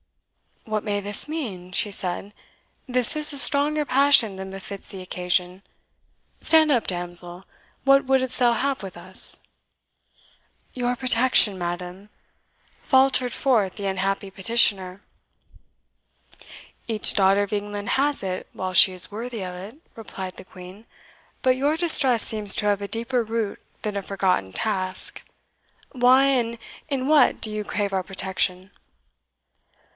"What may this mean?" she said; "this is a stronger passion than befits the occasion. Stand up, damsel what wouldst thou have with us?" "Your protection, madam," faltered forth the unhappy petitioner. "Each daughter of England has it while she is worthy of it," replied the Queen; "but your distress seems to have a deeper root than a forgotten task. Why, and in what, do you crave our protection?"